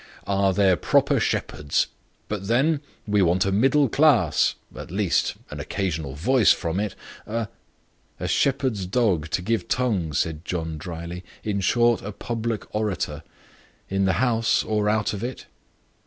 "are their proper shepherds. But, then, we want a middle class at least, an occasional voice from it, a " "A shepherd's dog, to give tongue," said John, dryly. "In short, a public orator. In the House, or out of it?"